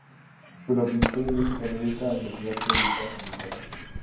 Pero la principal iglesia católica en la ciudad fue dedicada a San Nicolás.